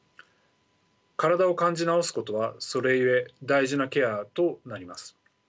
体を感じ直すことはそれゆえ大事なケアとなります。